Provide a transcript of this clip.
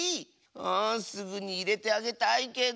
あすぐにいれてあげたいけど。